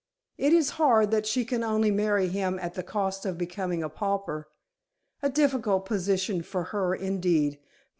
It is hard that she can only marry him at the cost of becoming a pauper. A difficult position for her, indeed.